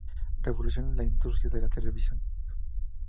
Revolucionó la industria de la televisión.